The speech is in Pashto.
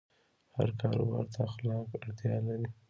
هر کاروبار ته اخلاق اړتیا لري.